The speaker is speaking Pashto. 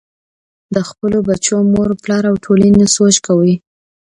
د خپلو بچو مور و پلار او ټولنې سوچ کوئ -